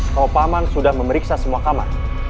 kalau pak man sudah memeriksa semua kamar